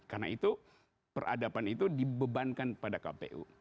karena itu peradaban itu dibebankan pada kpu